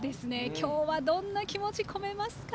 今日はどんな気持ち込めますか。